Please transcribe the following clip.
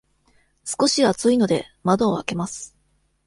少し暑いので、窓を開けます。